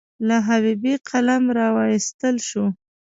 له جېبې قلم راواييستل شو.